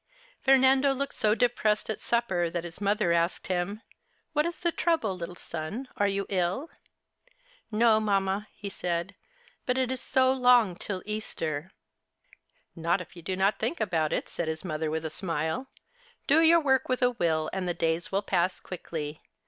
Fernando looked so depressed at supper that his mother asked him :" What is the trouble, little son, are you ill ?"" No, mamma," he said. " But it is so long till Easter." 64 Our Little Spanish Cousin " Not if you do not think about it," said his mother with a smile. " Do your work with a will, and the days will pass quickly.